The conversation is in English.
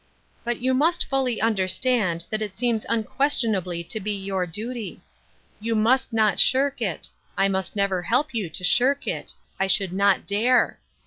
But you must fully understand that it seems unquestionably to be your duty. You must not shirk it ; I must never help you to shirk it ; I should not dare.